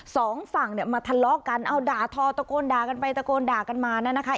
สองฝั่งเนี่ยมาทะเลาะกันเอาด่าทอตะโกนด่ากันไปตะโกนด่ากันมานะคะ